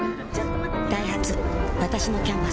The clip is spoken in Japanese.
ダイハツわたしの「キャンバス」